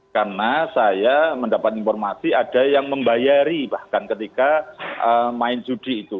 karena saya mendapat informasi ada yang membayari bahkan ketika main judi itu